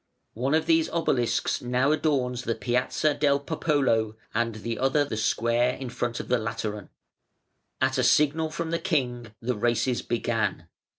(One of these obelisks now adorns the Piazza del Popolo, and the other the square in front of the Lateran.) At a signal from the king the races began.